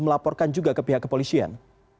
melaporkan juga ke pihak kepolisian